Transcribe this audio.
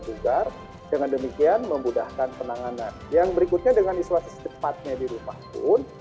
juga dengan demikian memudahkan penanganan yang berikutnya dengan isolasi secepatnya dirumah pun